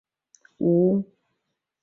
无神论者是指不相信神的人。